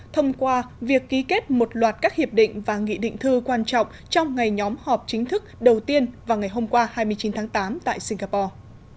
thông qua việc ký kết một loạt các hiệp định và nghị định thư quan trọng trong ngày nhóm họp chính thức đầu tiên vào ngày hôm qua hai mươi chín tháng tám tại singapore